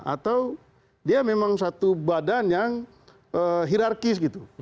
atau dia memang satu badan yang hirarkis gitu